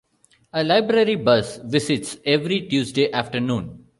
A library bus visits every Tuesday afternoon.